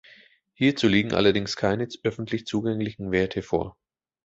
Hierzu liegen allerdings keine öffentlich zugänglichen Werte vor.